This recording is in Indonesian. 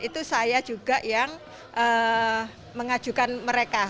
itu saya juga yang mengajukan mereka